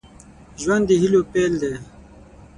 ژوند د هيلو پيل دی